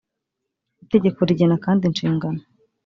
itegeko rigena kandi inshingano